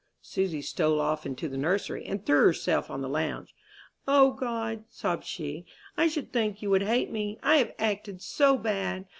Susy stole off into the nursery, and threw herself on the lounge. "O God," sobbed she, "I should think you would hate me, I have acted so bad!